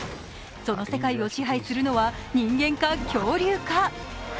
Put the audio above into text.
その世界を支配するのは人間か恐竜か。